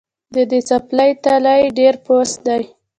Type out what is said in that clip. د دې څپلۍ تلی ډېر پوست دی